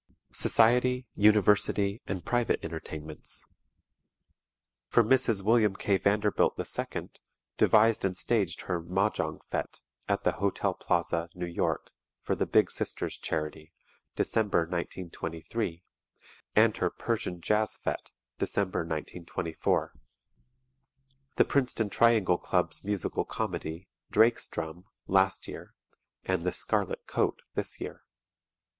SOCIETY, UNIVERSITY AND PRIVATE ENTERTAINMENTS For Mrs. William K. Vanderbilt, 2nd, devised and staged her "Mah Jong Fête" at the Hotel Plaza, New York, for the Big Sisters charity, December, 1923, and her "Persian Jazz Fête," December, 1924. The Princeton Triangle Club's Musical Comedy, "Drake's Drum" last year and "The Scarlet Coat" this year.